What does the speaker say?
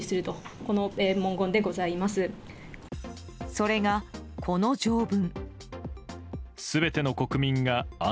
それがこの条文。